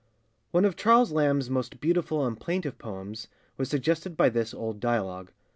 [ONE of Charles Lamb's most beautiful and plaintive poems was suggested by this old dialogue.